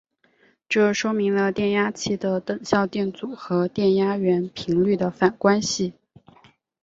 这说明了电压器的等效电阻和电压源频率的反关系。